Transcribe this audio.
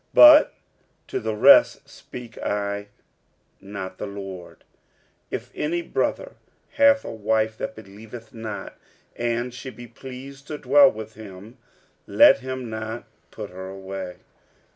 46:007:012 But to the rest speak I, not the Lord: If any brother hath a wife that believeth not, and she be pleased to dwell with him, let him not put her away.